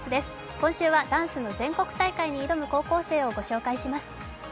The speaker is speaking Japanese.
今週はダンスの全国大会に挑む高校生をご紹介します。